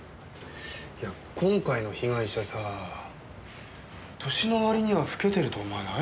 いや今回の被害者さ年のわりには老けてると思わない？